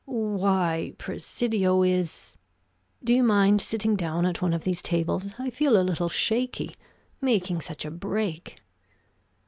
"Why, Presidio is do you mind sitting down at one of these tables? I feel a little shaky making such a break!"